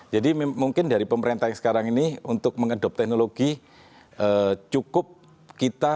jadi mungkin dari pemerintah yang sekarang ini untuk mengadopt teknologi cukup kita mendapatkan